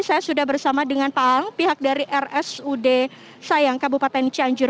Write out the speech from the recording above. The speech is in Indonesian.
saya sudah bersama dengan pak aang pihak dari rsud sayang kabupaten cianjur